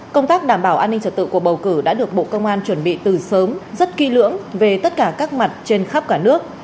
công tác đảm bảo an ninh trật tự cuộc bầu cử đã được bộ công an chuẩn bị từ sớm rất kỹ lưỡng về tất cả các mặt trên khắp cả nước